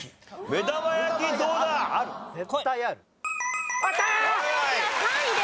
目玉焼きは３位です。